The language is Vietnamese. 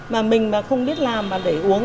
mà mình mà không biết làm mà để uống